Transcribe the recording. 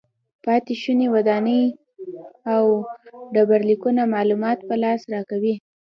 پاتې شوې ودانۍ او ډبرلیکونه معلومات په لاس راکوي.